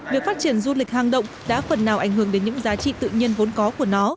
việc phát triển du lịch hang động đã phần nào ảnh hưởng đến những giá trị tự nhiên vốn có của nó